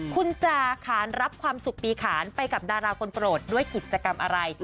คุณจะขานรับความสุขปีขานไปกับดาราคนโปรดด้วยกิจกรรมอะไร